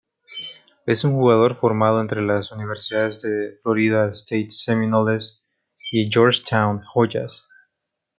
Es un jugador formado entre las universidades de Florida State Seminoles y Georgetown Hoyas.